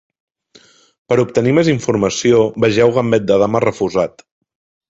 Per obtenir més informació, vegeu Gambet de dama refusat.